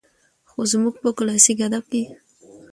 خو زموږ په کلاسيک ادب کې